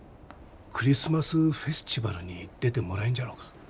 クリスマスフェスチバルに出てもらえんじゃろうか？